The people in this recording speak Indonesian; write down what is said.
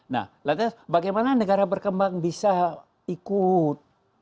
nah lantas bagaimana negara berkembang bisa ikut